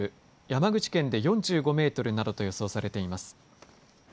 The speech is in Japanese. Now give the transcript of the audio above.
山口県で４５メートルなどと予想されています。